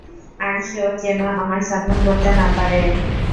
আর সেও যেনো আমার সন্ধান করতে না পারে।